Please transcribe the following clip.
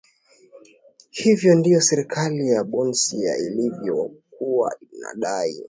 hivyo ndivyo serikali ya bosnia ilivyokuwa inadai